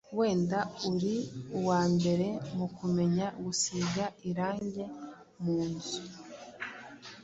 Wenda uri uwa mbere mu kumenya gusiga irange mu nzu,